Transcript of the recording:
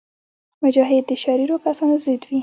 مجاهد د شریرو کسانو ضد وي.